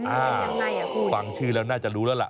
ฟังชื่อแล้วน่าจะรู้แล้วล่ะ